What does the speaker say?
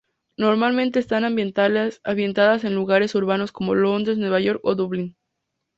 Normalmente están ambientadas en lugares urbanos como Londres, Nueva York o Dublín.